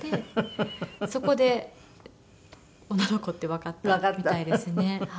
そこで女の子ってわかったみたいですね。